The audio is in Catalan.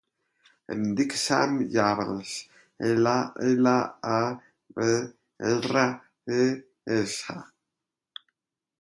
Em dic Sam Llabres: ela, ela, a, be, erra, e, essa.